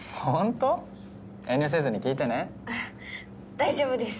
大丈夫です。